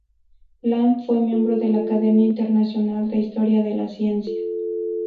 Lam fue miembro de la Academia Internacional de Historia de la Ciencia.